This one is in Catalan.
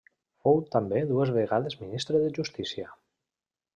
Fou també dues vegades ministre de justícia.